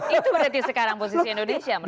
itu berarti sekarang posisi indonesia menurut anda